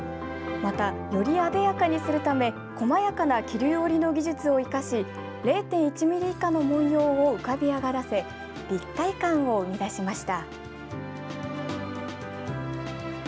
また、よりあでやかにするため細やかな桐生織の技術を生かし０．１ｍｍ以下の紋様を浮かび上がらせ立体感を生み出しました。